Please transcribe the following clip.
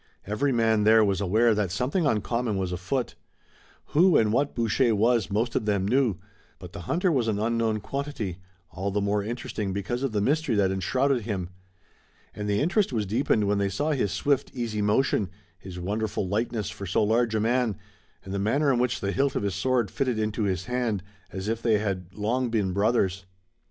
Every man there was aware that something uncommon was afoot. Who and what Boucher was most of them knew, but the hunter was an unknown quantity, all the more interesting because of the mystery that enshrouded him. And the interest was deepened when they saw his swift, easy motion, his wonderful lightness for so large a man, and the manner in which the hilt of his sword fitted into his hand, as if they had long been brothers.